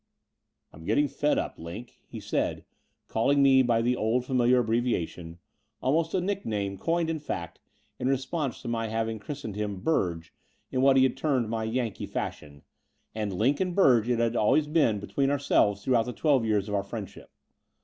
"I'm getting fed up, Line," he said, calling me by the old familiar abbreviation, almost a nick name, coined, in fact, in response to my having christened him "Burge" in what he had termed my Yankee fashion: and "Line" and "Burge" it had always been between ourselves throughout the twelve years of our friendship.